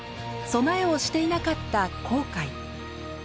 備えをしていなかった後悔。